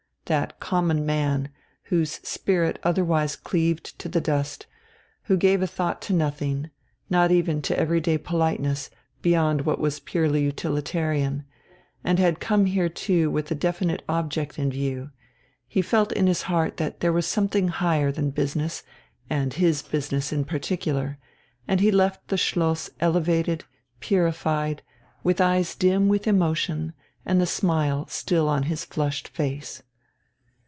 That common man, whose spirit otherwise cleaved to the dust, who gave a thought to nothing, not even to everyday politeness, beyond what was purely utilitarian, and had come here too with a definite object in view he felt in his heart that there was something higher than business and his business in particular, and he left the Schloss elevated, purified, with eyes dim with emotion and the smile still on his flushed face.